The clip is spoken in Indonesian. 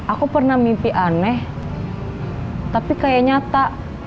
aku pernah mimpi aneh tapi kayak nyata